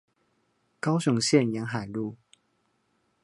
高雄縣沿海路